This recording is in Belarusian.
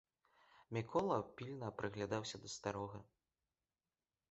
Мікола пільна прыглядаўся да старога.